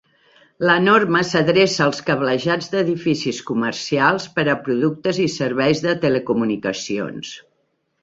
La norma s'adreça als cablejats d'edificis comercials per a productes i serveis de telecomunicacions.